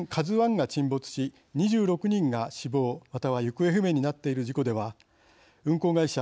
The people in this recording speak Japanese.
ＫＡＺＵⅠが沈没し２６人が死亡または行方不明になっている事故では運航会社